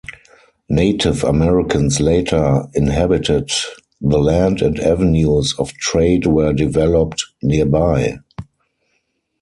Native Americans later inhabited the land and avenues of trade were developed nearby.